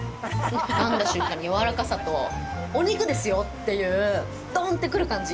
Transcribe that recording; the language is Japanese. かんだ瞬間にやわらかさとお肉ですよ！っていうドンて来る感じ。